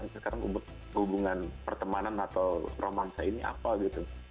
sekarang hubungan pertemanan atau romansa ini apa gitu